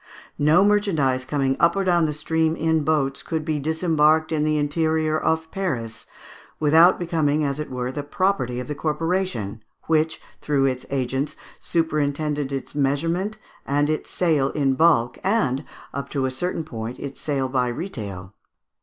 No merchandise coming up or down the stream in boats could be disembarked in the interior of Paris without becoming, as it were, the property of the corporation, which, through its agents, superintended its measurement and its sale in bulk, and, up to a certain point, its sale by retail.